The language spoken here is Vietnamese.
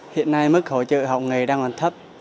hiện nay mức hỗ trợ học nghề đang còn thấp